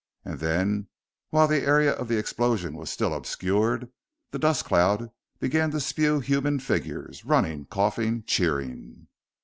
And then, while the area of the explosion was still obscured, the dust cloud began to spew human figures, running, coughing, cheering.